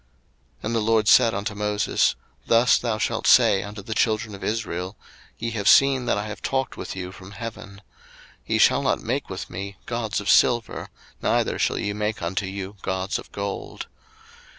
02:020:022 And the LORD said unto Moses, Thus thou shalt say unto the children of Israel, Ye have seen that I have talked with you from heaven. 02:020:023 Ye shall not make with me gods of silver, neither shall ye make unto you gods of gold.